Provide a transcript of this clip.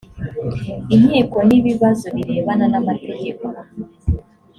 inkiko n’ibibazo birebana n’amategeko